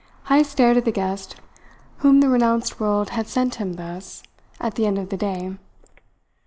Heyst stared at the guests whom the renounced world had sent him thus at the end of the day.